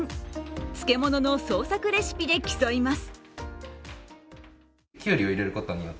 漬物の創作レシピで競います。